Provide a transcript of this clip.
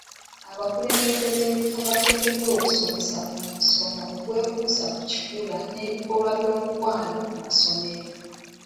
Abakulembeze b'ebika bateekeddwa okusomesa omusomo ogwekuusa ku kikula n'ebikolwa by'omukwano mu masomero.